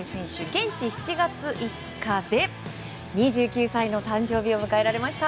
現地７月５日で２９歳の誕生日を迎えられました。